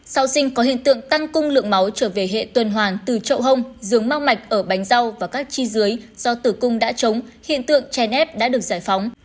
sau sinh có hiện tượng tăng cung lượng máu trở về hệ tuần hoàng từ trậu hông dưỡng mau mạch ở bánh rau và các chi dưới do tử cung đã chống hiện tượng chai nếp đã được giải phóng